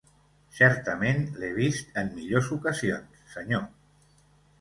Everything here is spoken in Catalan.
Certament l'he vist en millors ocasions, senyor.